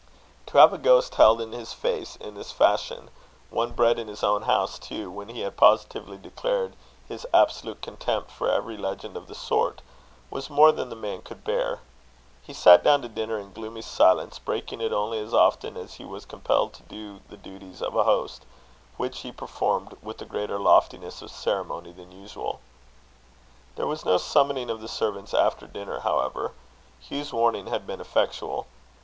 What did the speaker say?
To have a ghost held in his face in this fashion, one bred in his own house, too, when he had positively declared his absolute contempt for every legend of the sort, was more than man could bear. He sat down to dinner in gloomy silence, breaking it only as often as he was compelled to do the duties of a host, which he performed with a greater loftiness of ceremony than usual. There was no summoning of the servants after dinner, however. Hugh's warning had been effectual.